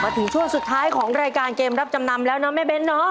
ถึงช่วงสุดท้ายของรายการเกมรับจำนำแล้วนะแม่เบ้นเนาะ